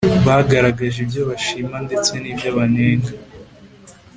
bagaragaje ibyo bashima ndetse n ibyo banenga